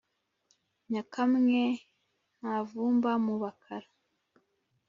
Nyakamwe ntavumba mu Bakara